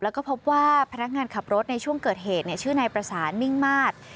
แล้วก็พบว่าพนักงานขับรถในช่วงเกิดเหตุชื่อนายประสานมิ่งมาตร